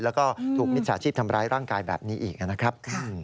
แล้วก็ถูกมิจฉาชีพทำร้ายร่างกายแบบนี้อีกนะครับ